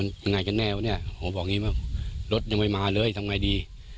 ลงบานมันเลยไปด้วย